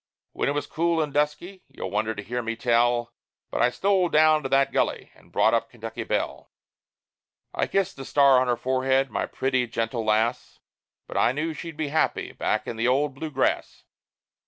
When it was cool and dusky you'll wonder to hear me tell But I stole down to that gully, and brought up Kentucky Belle. I kissed the star on her forehead my pretty gentle lass But I knew that she'd be happy back in the old Blue Grass.